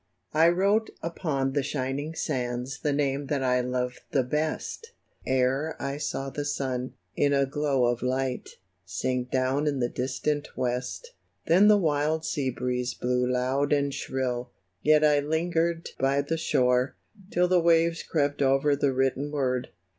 I WROTE upon the shining sands The name that I loved the best, Ere I saw the sun, in a glow of light, Sink down in the distant West. Then the wild sea breeze blew loud and shrill, Yet I lingered by the shore. Till the waves crept over the written word.